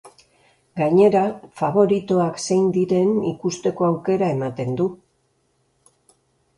Gainera, faboritoak zein diren ikusteko aukera ematen du.